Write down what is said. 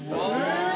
・え！？